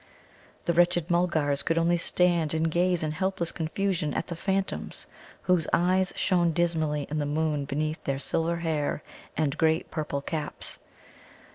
The wretched Mulgars could only stand and gaze in helpless confusion at the phantoms, whose eyes shone dismally in the moon beneath their silver hair and great purple caps.